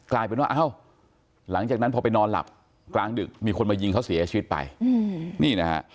กลายเป็นว่าเอ้าหลังจากนั้นพอไปนอนหลับกลางดึกมีคนมายิงเขาเสียชีวิตไปนี่นะฮะ